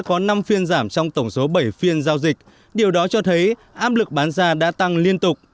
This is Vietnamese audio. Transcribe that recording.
có năm phiên giảm trong tổng số bảy phiên giao dịch điều đó cho thấy áp lực bán ra đã tăng liên tục